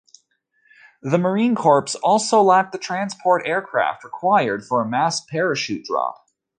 The Marine Corps also lacked the transport aircraft required for a massed parachute drop.